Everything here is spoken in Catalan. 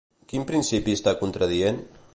Quin principi està contradient?